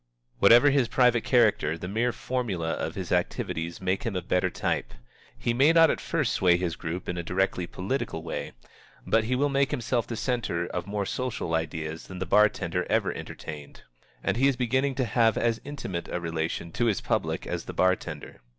Whatever his private character, the mere formula of his activities makes him a better type. He may not at first sway his group in a directly political way, but he will make himself the centre of more social ideals than the bar tender ever entertained. And he is beginning to have as intimate a relation to his public as the bar tender.